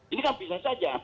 ini kan bisa saja